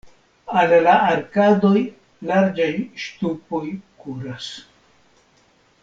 Al la arkadoj larĝaj ŝtupoj kuras.